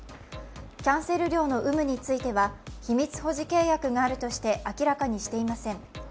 キャンセル料の有無については秘密保持契約があるとして明らかにしていません。